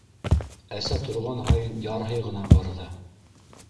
Әсә торған һайын ярһый ғына барҙы: